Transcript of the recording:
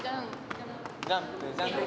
ジャンプジャンプ。